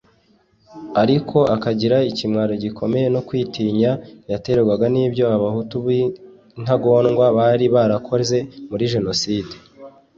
ariko akagira ikimwaro gikomeye no kwitinya yaterwaga n’ibyo Abahutu b’intagondwa bari barakoze muri Jenoside